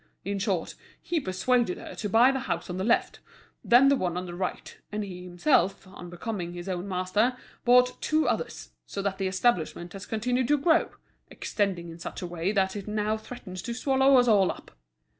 In short, he persuaded her to buy the house on the left, then the one on the right; and he himself, on becoming his own master, bought two others; so that the establishment has continued to grow—extending in such a way that it now threatens to swallow us all up!"